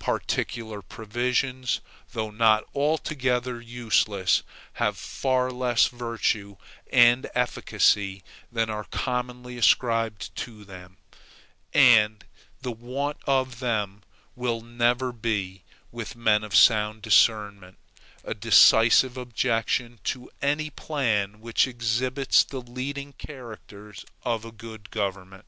Particular provisions, though not altogether useless, have far less virtue and efficacy than are commonly ascribed to them; and the want of them will never be, with men of sound discernment, a decisive objection to any plan which exhibits the leading characters of a good government.